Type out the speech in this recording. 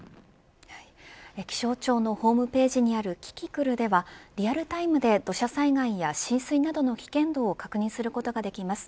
気象庁のホームページにあるキキクルではリアルタイムで土砂災害や浸水などの危険度を確認することができます。